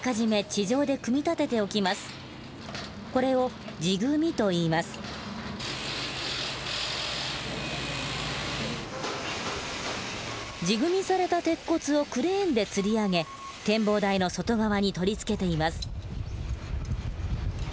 地組みされた鉄骨をクレーンでつり上げ展望台の外側に取り付けています。